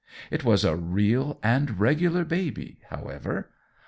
It was a real and regular baby, however.